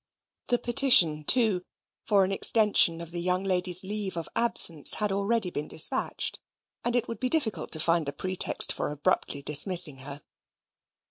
The petition, too, for an extension of the young lady's leave of absence had already been despatched, and it would be difficult to find a pretext for abruptly dismissing her.